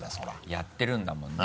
やってるんだもんね。